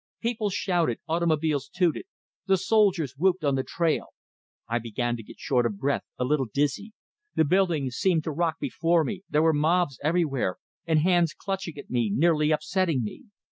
People shouted, automobiles tooted; the soldiers whooped on the trail. I began to get short of breath, a little dizzy; the buildings seemed to rock before me, there were mobs everywhere, and hands clutching at me, nearly upsetting me.